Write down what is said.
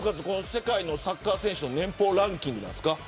世界のサッカー選手の年俸ランキングですか。